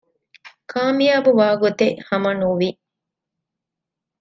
ކާމިޔާބުވާގޮތެއް ހަމަ ނުވި